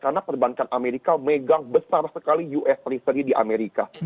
karena perbankan amerika megang besar sekali us treasury di amerika